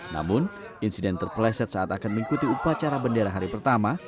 namun insiden terpeleset saat akan mengikuti upacara bendera hari pertama